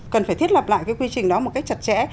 cần phải thiết lập lại cái quy trình đó một cách chặt chẽ